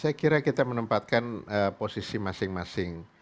saya kira kita menempatkan posisi masing masing